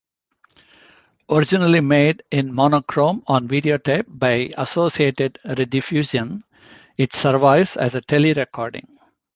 Originally made in monochrome on videotape by Associated-Rediffusion, it survives as a telerecording.